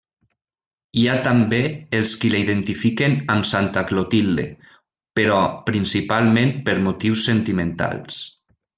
Hi ha també els qui la identifiquen amb Santa Clotilde, però principalment per motius sentimentals.